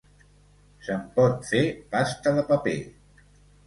Se'n pot fer pasta de paper.